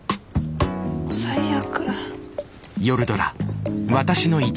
最悪。